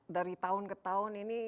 dari tahun ke tahun ini